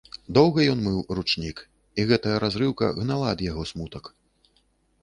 Доўга ён мыў ручнік, і гэтая разрыўка гнала ад яго смутак.